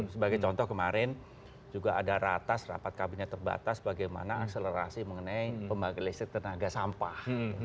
sebagai contoh kemarin juga ada ratas rapat kabinet terbatas bagaimana akselerasi mengenai pembangkit listrik tenaga sampah